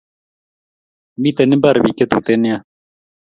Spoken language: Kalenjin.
Miten pik imbar che tuten nea